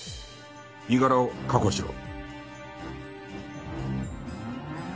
身柄を確保しろ！